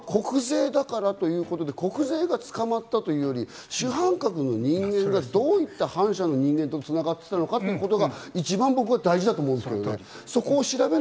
ここは国税だからということで国税が捕まったというより、主犯格の人間がどういった反社の人間と繋がっていたのかということが、一番僕は大事だと思うんですけどね。